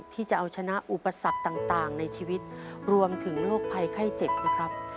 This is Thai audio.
ที่จะเอาชนะอุปสรรคต่างในชีวิตรวมถึงโรคภัยไข้เจ็บนะครับ